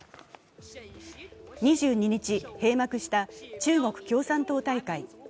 ２２日、閉幕した中国共産党大会。